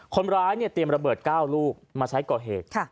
คนร้ายเตรียมระเบิด๙ลูกมาใช้ก่อเหตุ